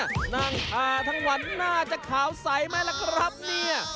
นั่งทาทั้งวันน่าจะขาวใสไหมล่ะครับเนี่ย